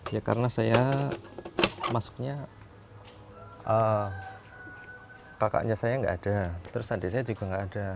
ya karena saya masuknya kakaknya saya nggak ada terus adik saya juga nggak ada